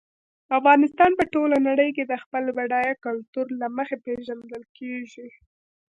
افغانستان په ټوله نړۍ کې د خپل بډایه کلتور له مخې پېژندل کېږي.